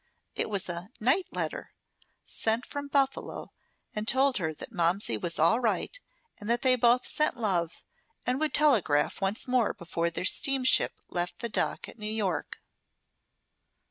It was a "night letter" sent from Buffalo and told her that Momsey was all right and that they both sent love and would telegraph once more before their steamship left the dock at New York.